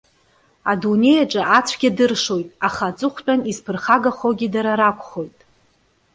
Адунеиаҿы ацәгьа дыршоит, аха аҵыхәтәан изԥырхагахогьы дара ракәхоит.